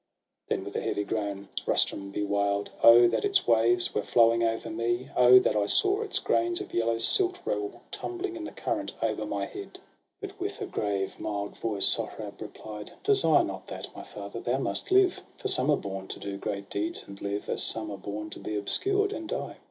And, with a heavy groan, Rustum replied :—' Oh, that its waves were flowing over me ! SOHRAB AND RUSTUM. 117 Oh, that I saw its grains of yellow silt Roll tumbling in the current o'er my headi' And, with a grave mild voice, Sohrab replied :—' Desire not that, my father ! thou must live. For some are born to do great deeds, and live, As some are born to be obscured, and die.